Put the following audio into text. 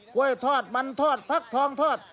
กล้วยทอดมันทอดฟักทองทอด